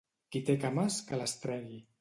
Qui té cames que les tregui.